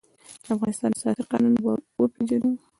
د افغانستان اساسي قانون به وپېژنو.